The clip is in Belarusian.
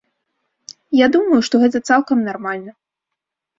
Я думаю, што гэта цалкам нармальна.